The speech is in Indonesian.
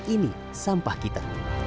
ini sampah kita